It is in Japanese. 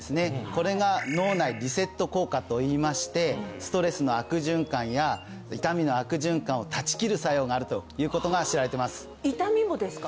これが脳内リセット効果といいましてストレスの悪循環や痛みの悪循環を断ち切る作用があるということが知られてます痛みもですか？